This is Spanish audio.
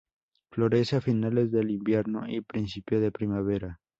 Florece a finales del Invierno y principio de Primavera.